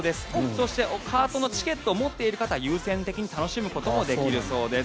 そして、カートのチケットを持っている方は優先的に楽しむこともできるそうです。